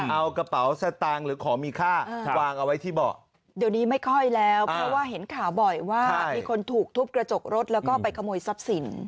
เอากระเป๋าสตางค์หรือของมีค่าวางเอาไว้ที่เบาะเดี๋ยวนี้ไม่ค่อยแล้วเพราะว่าเห็นข่าวบ่อยว่ามีคนถูกทุบกระจกรถแล้วก็ไปขโมยทรัพย์สิน